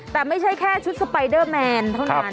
แต่ไม่ใช่แค่ชุดสไปเดอร์แมนเท่านั้น